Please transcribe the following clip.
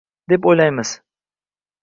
deb o‘ylaymiz.